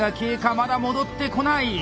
まだ戻ってこない。